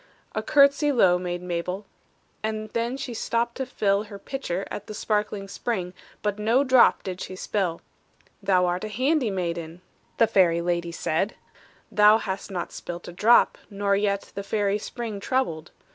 A courtesy low made Mabel, And then she stooped to fill Her pitcher at the sparkling spring, But no drop did she spill. "Thou art a handy maiden," The fairy lady said; "Thou hast not spilt a drop, nor yet The fairy spring troubled!